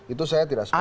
itu saya tidak sepakat